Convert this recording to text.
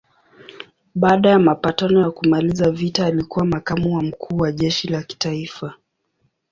Baada ya mapatano ya kumaliza vita alikuwa makamu wa mkuu wa jeshi la kitaifa.